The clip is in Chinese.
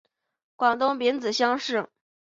广东丙子乡试。